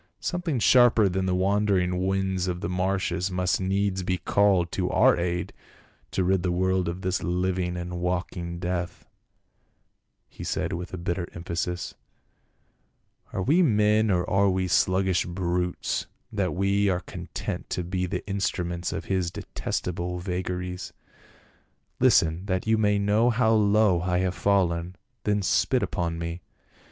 " Something sharper than the wandering winds of the marshes must needs be called to our aid to rid the world of this hving and walking death," he said with bitter emphasis. "Are we men or are we sluggish brutes that we are content to be the instruments of his detest able vagaries ? Listen, that you may know how low I have fallen, then spit upon me.